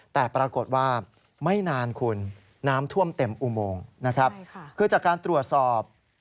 แต่ปรากฏว่าไม่นานคุณน้ำท่วมเต็มอุโมงนะครับ